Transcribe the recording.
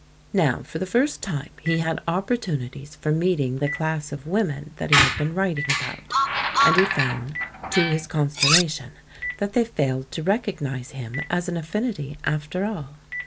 Now, for the first time, he had opportunities for meeting the class of women that he had been writing about, and he found, to his consternation, that they failed to recognise him as an affinity after all.